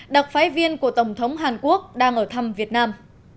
đặc phái viên của tổng thống hàn quốc đang ở thăm việt nam